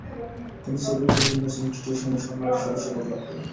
তিনি civil engineers institution এর সম্মানিত সদস্য পদ লাভ করেন।